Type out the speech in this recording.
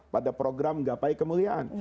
pada program gapai kemuliaan